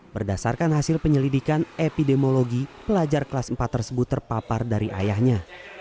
berdasarkan hasil penyelidikan epidemiologi pelajar kelas empat tersebut terpapar dari ayahnya